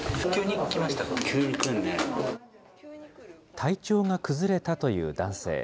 体調が崩れたという男性。